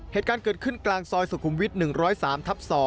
เหตุการณ์เกิดขึ้นกลางซอยสุขุมวิทย์๑๐๓ทับ๒